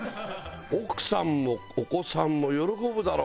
奥さんもお子さんも喜ぶだろ！